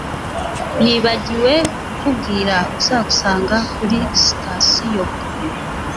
Nibagiwe kukubwira uzagusanga kuri sitasiyo.